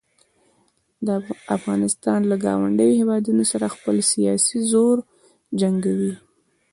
افغانستان له ګاونډیو هیوادونو سره خپل سیاسي زور جنګوي.